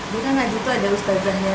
dia kan aja itu ada ustazahnya